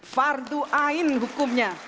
fardu ain hukumnya